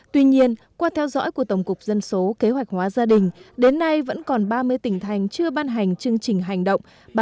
tuy nhiên qua theo dõi của tổng cục dân số kế hoạch hóa gia đình đến nay vẫn còn ba mươi tỉnh thành chưa ban hành chương trình hành động